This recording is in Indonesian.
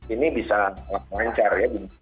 ini bisa lancar